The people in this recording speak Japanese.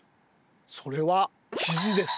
それはキジです。